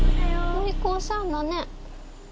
お利口さんだね。